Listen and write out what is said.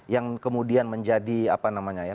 yang kemudian menjadi apa namanya ya